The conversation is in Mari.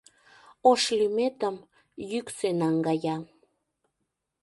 Ош лӱметым йӱксӧ наҥгая.